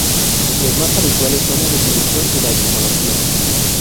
Los más habituales son la definición y la etimología.